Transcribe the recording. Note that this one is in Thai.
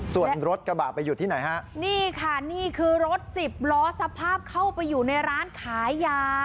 ส่วนรถกระบะไปอยู่ที่ไหนฮะนี่ค่ะนี่คือรถสิบล้อสภาพเข้าไปอยู่ในร้านขายยา